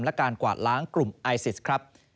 และการกวาดล้างกลุ่มไอซิสครับ